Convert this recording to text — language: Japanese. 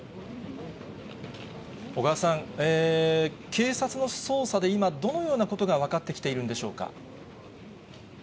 小川さん、警察の捜査で今、どのようなことが分かってきているんでしょうか。